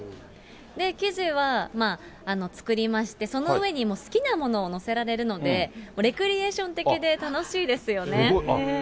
生地はまあ、作りまして、その上にもう好きなものを載せられるので、レクリエーション的で楽しいですよね。